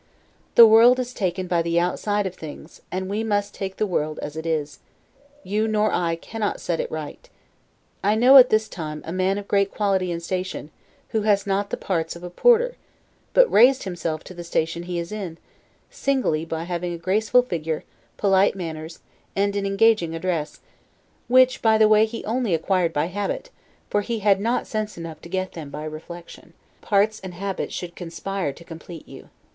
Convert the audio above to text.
The world is taken by the outside of things, and we must take the world as it is; you nor I cannot set it right. I know, at this time, a man of great quality and station, who has not the parts of a porter; but raised himself to the station he is in, singly by having a graceful figure, polite manners, and an engaging address; which, by the way, he only acquired by habit; for he had not sense enough to get them by reflection. Parts and habit should conspire to complete you.